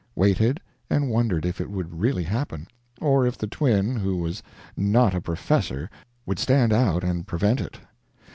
Waited, and wondered if it would really happen, or if the twin who was not a "professor" would stand out and prevent it.